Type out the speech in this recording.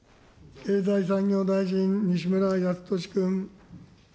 経済産業大臣、西村康稔君。